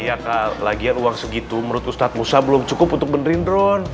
iya kak lagian uang segitu menurut ustadzmu usah belum cukup untuk benerin dron